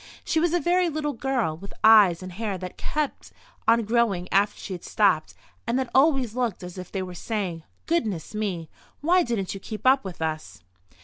She was a very little girl, with eyes and hair that had kept on growing after she had stopped and that always looked as if they were saying: "Goodness me! Why didn't you keep up with us?"